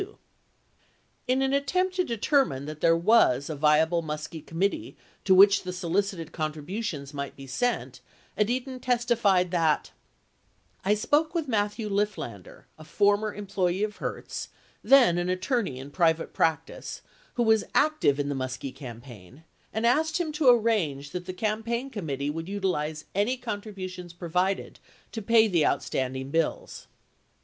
476 In an attempt to determine that there was a viable Muskie committee to which the solicited contributions might be sent, Edidin testified that : (I) spoke with Matthew Lifflander, a former employee of Hertz, then an attorney in private practice, who was active in the Muskie campaign, and asked him to arrange that the campaign committee would utilize any contributions provided to pay the outstanding bills.